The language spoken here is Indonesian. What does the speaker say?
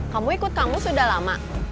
kamu ikut kamu sudah lama